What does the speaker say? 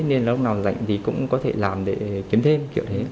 nên lúc nào rảnh thì cũng có thể làm để kiếm thêm kiểu thế